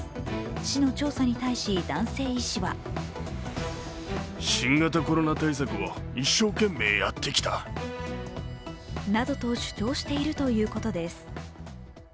市の調査に対し、男性医師はなどと主張しているということです。